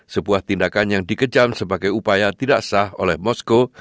sebuah tindakan yang dikejam sebagai upaya tidak sah oleh moskow